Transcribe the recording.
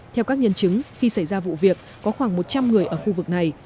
theo các nhân chứng khi xảy ra vụ việc có khoảng một trăm linh người ở khu vực này